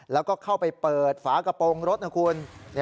แล้วก็เข้าไปเปิดฝากระโปรงรถนะคุณ